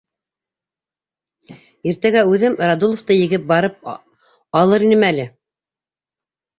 — Иртәгә үҙем Радуловты егеп барып алыр инем әле.